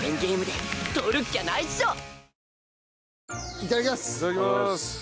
いただきます！